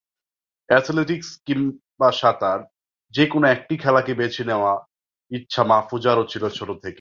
Athletics কিংবা সাঁতার—যেকোনো একটি খেলাকে বেছে নেওয়ার ইচ্ছা মাহফুজারও ছিল ছোট থেকেই।